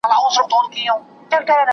زمری پرون په کور کي پاته سو.